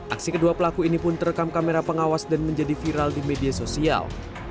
aksi kedua pelaku ini pun terekam kamera pengawas dan menjadi viral di media sosial